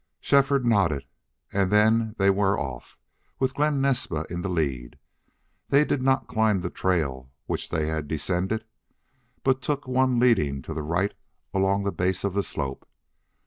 Shefford nodded and then they were off, with Glen Naspa in the lead. They did not climb the trail which they had descended, but took one leading to the right along the base of the slope.